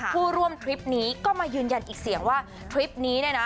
ผู้ร่วมทริปนี้ก็มายืนยันอีกเสียงว่าทริปนี้เนี่ยนะ